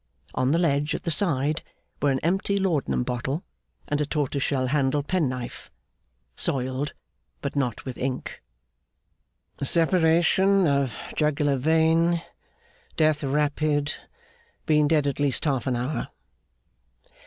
On the ledge at the side, were an empty laudanum bottle and a tortoise shell handled penknife soiled, but not with ink. 'Separation of jugular vein death rapid been dead at least half an hour.